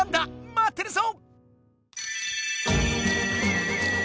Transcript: まってるぞ！